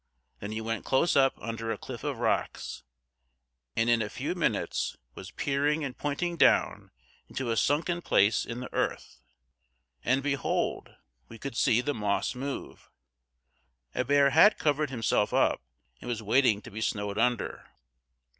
Then he went close up under a cliff of rocks and in a few minutes was peering and pointing down into a sunken place in the earth. And behold, we could see the moss move! A bear had covered himself up and was waiting to be snowed under.